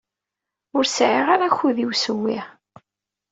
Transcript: Ur sɛiɣ ara akud i usewwi.